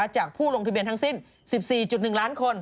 จากผู้ลงทะเบียนทั้งสิ้น๑๔๑ล้านคน